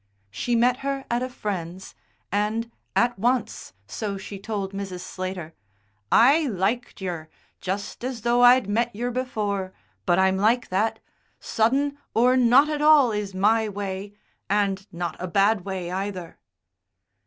She met her at a friend's, and at once, so she told Mrs. Slater, "I liked yer, just as though I'd met yer before. But I'm like that. Sudden or not at all is my way, and not a bad way either!"